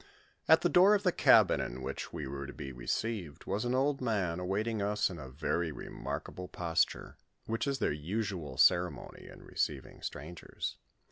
At the door of the cabin in which wo were to be received, was an old man awaiting us in a very remarkable posture ; which is their usual ceremony in receiving strangers.